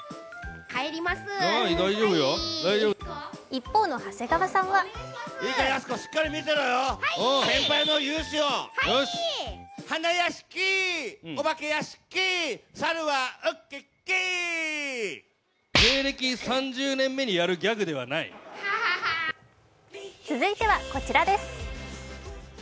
一方の長谷川さんは続いては、こちらです。